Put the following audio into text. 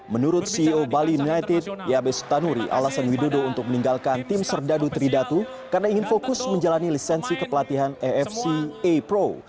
menurut ceo bali united yabes tanuri alasan widodo untuk meninggalkan tim serdadu tridatu karena ingin fokus menjalani lisensi kepelatihan afc a pro